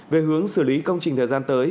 về hướng xử lý công trình thời gian tới